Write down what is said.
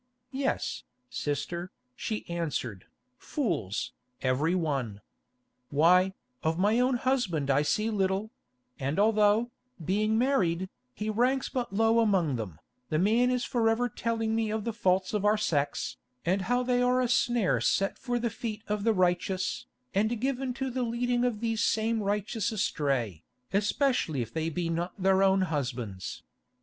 "Yes, sister," she answered, "fools, every one. Why, of my own husband I see little; and although, being married, he ranks but low among them, the man is forever telling me of the faults of our sex, and how they are a snare set for the feet of the righteous, and given to the leading of these same righteous astray, especially if they be not their own husbands.